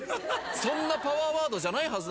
そんなパワーワードじゃないはずなのにな。